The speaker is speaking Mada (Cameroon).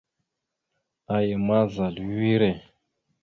Aya ma, zal a wire.